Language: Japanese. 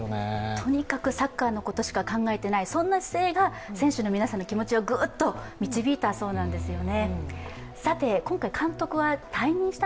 とにかくサッカーのことしか考えてない、そんな姿勢が選手の皆さんの気持ちをグッと導いたそうなんですね。